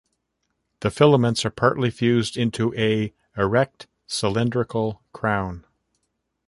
The filaments are partially fused into a, erect, cylindrical "crown".